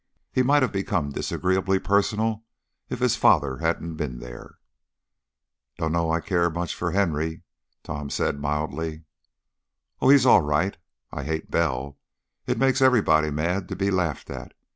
He might have become disagreeably personal if his father hadn't been there." "Dunno's I care much for Henry," Tom said, mildly. "Oh, he's all right, but I hate Bell! It makes anybody mad to be laughed at.